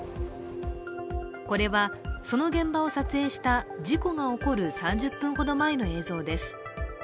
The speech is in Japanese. これはその現場を撮影した事故が起こる３０分ほど前の映像です。